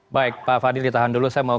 baik pak fadil ditahan dulu saya mau